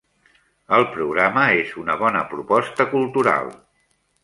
El programa és una bona proposta cultural.